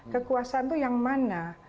kekuasaan itu yang mana